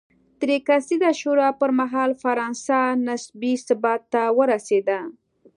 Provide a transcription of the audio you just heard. درې کسیزې شورا پر مهال فرانسه نسبي ثبات ته ورسېده.